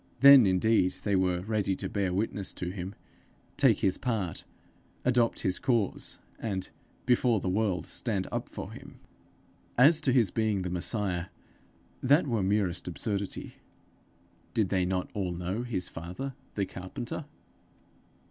Then indeed they were ready to bear witness to him, take his part, adopt his cause, and before the world stand up for him! As to his being the Messiah, that was merest absurdity: did they not all know his father, the carpenter?